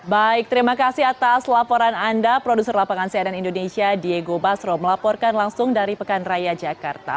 baik terima kasih atas laporan anda produser lapangan cnn indonesia diego basro melaporkan langsung dari pekan raya jakarta